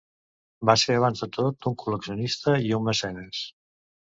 Va ser abans de tot un col·leccionista i un mecenes.